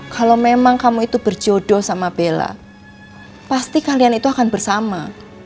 kalau memang kamu itu berjodoh sama bella pasti kalian itu akan bersama